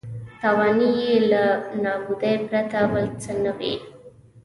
تاوان یې له نابودۍ پرته بل څه نه وي.